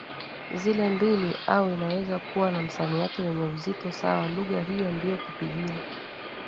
zile mbili au inaweza kuwa na msamiati wenye uzito sawa Lugha hiyo ndiyo KiPijini